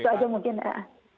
itu aja mungkin